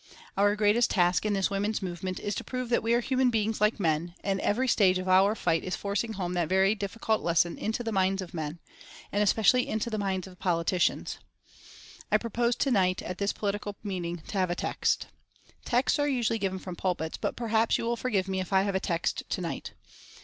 Our greatest task in this women's movement is to prove that we are human beings like men, and every stage of our fight is forcing home that very difficult lesson into the minds of men, and especially into the minds of politicians. I propose to night at this political meeting to have a text. Texts are usually given from pulpits, but perhaps you will forgive me if I have a text to night.